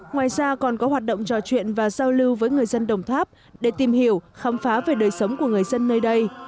ngoài ra còn có hoạt động trò chuyện và giao lưu với người dân đồng tháp để tìm hiểu khám phá về đời sống của người dân nơi đây